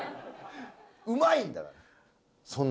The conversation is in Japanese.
うまいんだから。